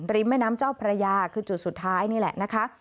แม่น้ำเจ้าพระยาคือจุดสุดท้ายนี่แหละนะคะ